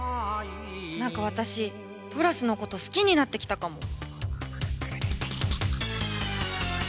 何か私トラスのこと好きになってきたかも！